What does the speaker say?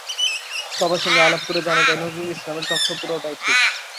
সবার সঙ্গে আলাপ করে জানা যায়, নজরুল ইসলামের তথ্য পুরোটাই ঠিক।